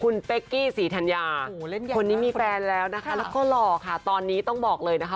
คุณเป๊กกี้ศรีธัญญาคนนี้มีแฟนแล้วนะคะแล้วก็หล่อค่ะตอนนี้ต้องบอกเลยนะคะ